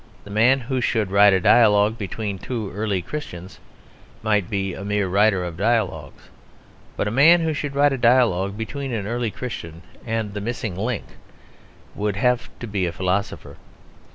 The man who should write a dialogue between two early Christians might be a mere writer of dialogues. But a man who should write a dialogue between an early Christian and the Missing Link would have to be a philosopher.